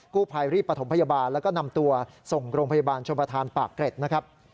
ผู้ภัยรีบประถมพยาบาลแล้วก็นำตัวส่งโรงพยาบาลชมประธานปากเกร็ดนะครับ